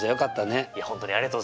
いや本当にありがとうございます。